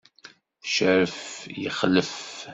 Cerref, ixlef!